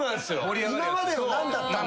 今までの何だったんだと。